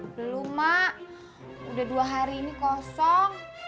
belum mak udah dua hari ini kosong